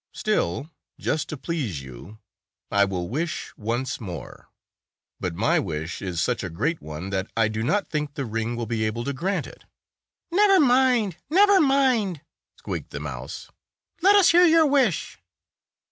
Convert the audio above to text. Still, just to please you, I will wish once more; but my wish is such a great one, that I do not think the ring will be able to grant it." "Never mind! Never mind!" squeaked the mouse. "Let us hear your wish."